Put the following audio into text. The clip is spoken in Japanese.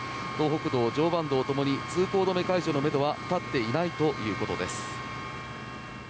東北道、常磐道ともに通行止め解除のめどは立っていないということです。